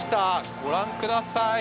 ご覧ください。